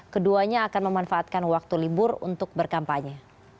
keduanya akan memanfaatkan waktu libur untuk berkampanye